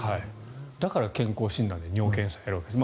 だから健康診断で尿検査をやるわけですね。